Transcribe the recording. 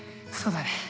そうだね。